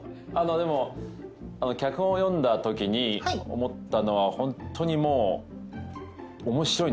でも脚本読んだときに思ったのはホントにもう。